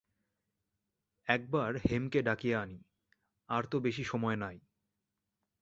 একবার হেমকে ডাকিয়া আনি, আর তো বেশি সময় নাই।